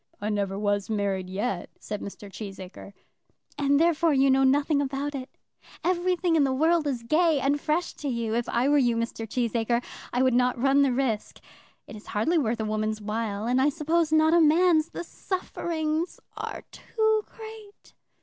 "I never was married yet," said Mr. Cheesacre. "And therefore you know nothing about it. Everything in the world is gay and fresh to you. If I were you, Mr. Cheesacre, I would not run the risk. It is hardly worth a woman's while, and I suppose not a man's. The sufferings are too great!"